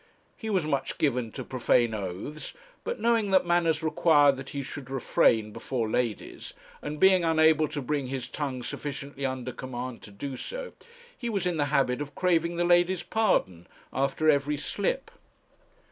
He was much given to profane oaths; but knowing that manners required that he should refrain before ladies, and being unable to bring his tongue sufficiently under command to do so, he was in the habit of 'craving the ladies' pardon' after every slip.